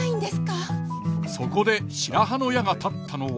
そこで白羽の矢が立ったのは。